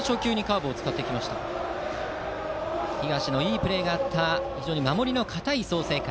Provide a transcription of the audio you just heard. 東のいいプレーがあった守りの堅い創成館。